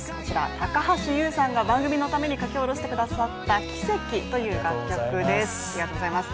高橋優さんが番組のために書き下ろしてくださった「キセキ」という楽曲です、ありがとうございます。